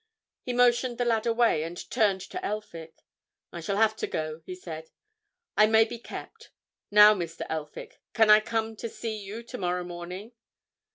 He motioned the lad away, and turned to Elphick. "I shall have to go," he said. "I may be kept. Now, Mr. Elphick, can I come to see you tomorrow morning?"